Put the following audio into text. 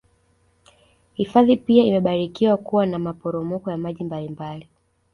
Hifadhi pia imebarikiwa kuwa na maporopoko ya maji mbali mbali